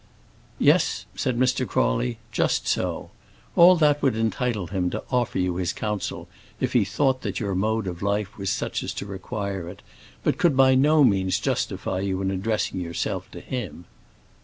"Yes," said Mr. Crawley, "just so. All that would entitle him to offer you his counsel if he thought that your mode of life was such as to require it, but could by no means justify you in addressing yourself to him."